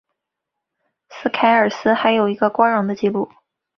斯凯尔斯还有一个光荣的记录。